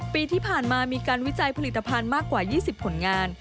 ปีที่ผ่านมามีการวิจัยผลิตภัณฑ์มากกว่า๒๐ผลงาน